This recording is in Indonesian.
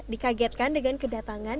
dikagetkan dengan kedatangan